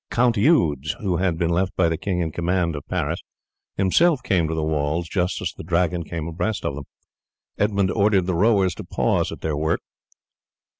The Count Eudes, who had been left by the king in command of Paris, himself came to the walls just as the Dragon came abreast of them. Edmund ordered the rowers to pause at their work.